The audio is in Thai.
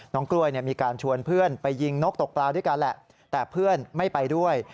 กล้วยมีการชวนเพื่อนไปยิงนกตกปลาด้วยกันแหละแต่เพื่อนไม่ไปด้วย